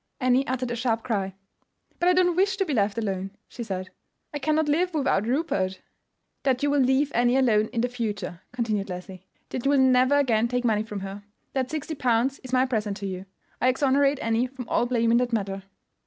Annie uttered a sharp cry. "But I don't wish to be left alone," she said. "I cannot live without Rupert." "That you will leave Annie alone in the future," continued Leslie; "that you will never again take money from her. That sixty pounds is my present to you. I exonerate Annie from all blame in the matter.